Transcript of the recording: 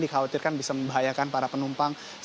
dikhawatirkan bisa membahayakan para penumpang